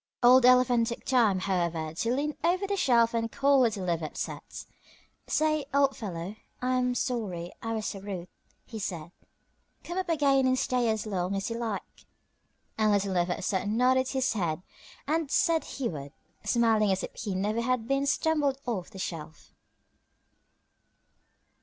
Old Elephant took time, however, to lean over the shelf and call to Little Never upset. "Say, old fellow, I am sorry I was so rude," he said. "Come up again and stay as long as you like." And Little Never upset nodded his head and said he would, smiling as if he never had been tumbled off the shelf.